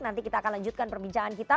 nanti kita akan lanjutkan perbincangan kita